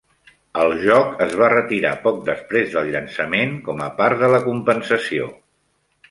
El joc es va retirar poc després del llançament com a part de la compensació.